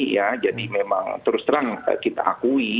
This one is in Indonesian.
ya jadi memang terus terang kita akui